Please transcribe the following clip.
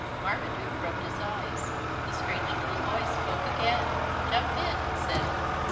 Marmaduke rubbed his eyes. The strange little voice spoke again. "Jump in," it said.